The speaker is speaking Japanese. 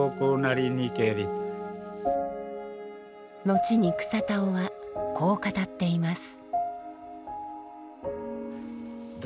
後に草田男はこう語っています。